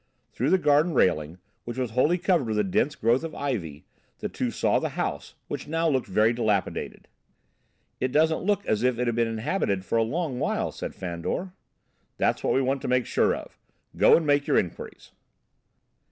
Through the garden railing, which was wholly covered with a dense growth of ivy, the two saw the house, which now looked very dilapidated. "It doesn't look as if it had been inhabited for a long while," said Fandor. "That's what we want to make sure of. Go and make your inquiries."